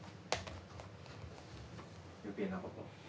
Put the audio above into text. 余計なこと？